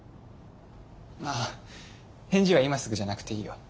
あぁ返事は今すぐじゃなくていいよ。